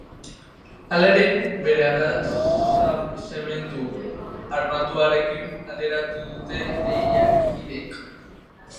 Hala ere, bere arroza zementu armatuarekin alderatuko dute lehiakideek.